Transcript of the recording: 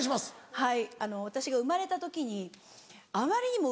はい。